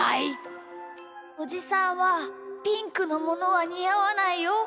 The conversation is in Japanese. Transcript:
おじさんはピンクのものはにあわないよ。